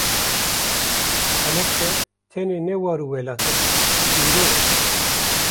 Helepçe tenê ne war û welat e, mirov e.